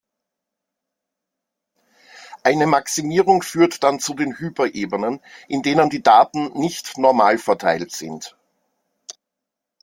Eine Maximierung führt dann zu den Hyperebenen, in denen die Daten nicht normalverteilt sind.